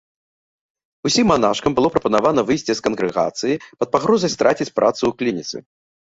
Усім манашкам было прапанавана выйсці з кангрэгацыі пад пагрозай страціць працу ў клініцы.